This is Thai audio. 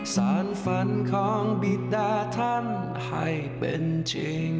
สารฝันของบิดาท่านให้เป็นจริง